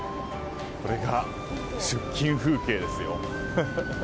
これが出勤風景ですよ。